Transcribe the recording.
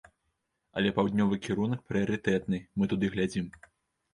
Але паўднёвы кірунак прыярытэтны, мы туды глядзім.